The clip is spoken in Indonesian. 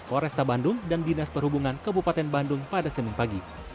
oresta bandung dan dinas perhubungan kabupaten bandung pada senin pagi